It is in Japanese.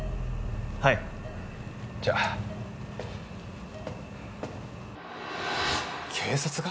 はいじゃあ警察が？